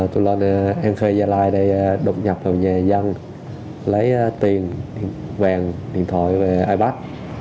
tôi là an khê gia lai độc nhập vào nhà dân lấy tiền quen điện thoại và ipad